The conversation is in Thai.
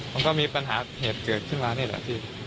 มันก็มีปัญหาเหตุเกิดขึ้นมานี่แหละพี่